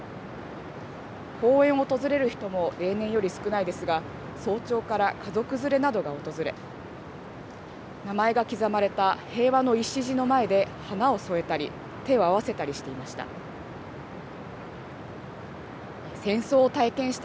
公園を訪れる人も例年より少ないですが、早朝から家族連れなどが訪れ、名前が刻まれた平和の礎の前で花を添えたり、手を合わせたりしていました。